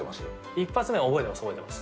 一発目覚えてます、覚えてます。